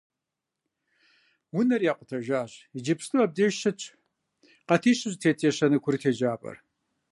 Унэр якъутэжащ, иджыпсту абдеж щытщ къатищу зэтет ещанэ курыт еджапӏэр.